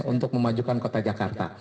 untuk memajukan kota jakarta